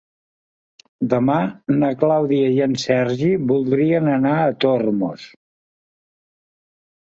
Demà na Clàudia i en Sergi voldrien anar a Tormos.